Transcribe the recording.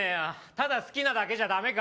ただ好きなだけじゃダメか？